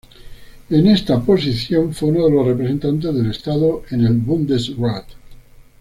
En esta posición, fue uno de los representantes del Estado en el Bundesrat.